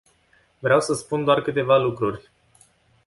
Vreau să spun doar câteva lucruri.